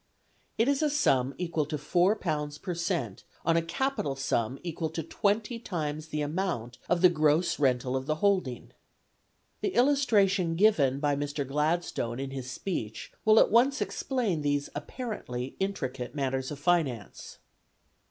It is a sum equal to £4 per cent. on a capital sum equal to twenty times the amount of the gross rental of the holding. The illustration given by Mr. Gladstone in his speech will at once explain these apparently intricate matters of finance.